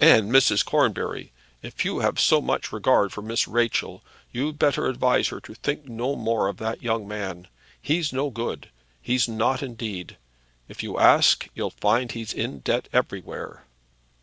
"And Mrs. Cornbury, if you have so much regard for Miss Rachel, you'd better advise her to think no more of that young man. He's no good; he's not indeed. If you ask, you'll find he's in debt everywhere."